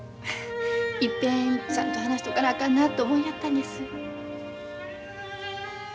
一遍ちゃんと話しとかなあかんなと思いやったんです。